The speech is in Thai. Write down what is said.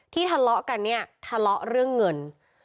ทะเลาะกันเนี่ยทะเลาะเรื่องเงิน